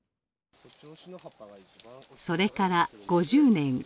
それから５０年。